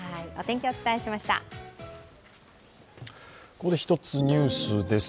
ここで一つニュースです。